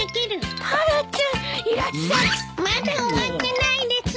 まだ終わってないです。